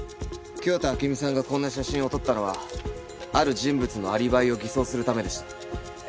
清田暁美さんがこんな写真を撮ったのはある人物のアリバイを偽装するためでした。